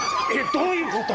どういうこと？